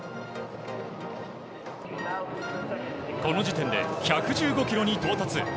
この時点で１１５キロに到達。